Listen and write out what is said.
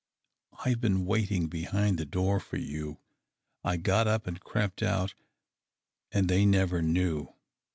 " I've been waiting liehind the door for you. I got up and crept out, and they never knew."